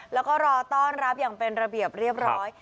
แล้วก็รอต้อนรับอย่างเป็นระเบียบเรียบร้อย